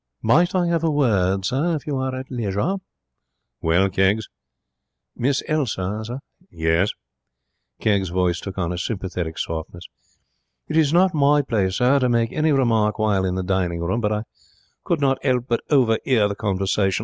'Might I have a word, sir, if you are at leisure?' 'Well, Keggs?' 'Miss Elsa, sir.' 'Yes?' Kegg's voice took on a sympathetic softness. 'It was not my place, sir, to make any remark while in the dining room, but I could not 'elp but hoverhear the conversation.